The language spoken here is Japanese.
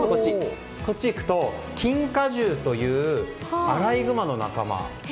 こっちに行くとキンカジューというアライグマの仲間。